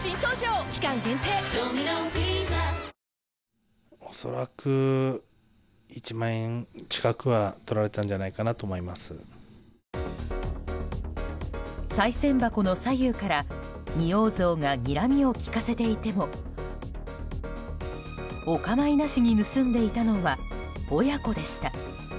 香りに驚くアサヒの「颯」さい銭箱の左右から仁王像がにらみを利かせていてもお構いなしに盗んでいたのは親子でした。